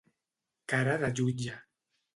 Cara de jutge.